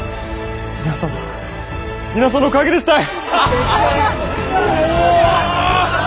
皆さんの皆さんのおかげですたい！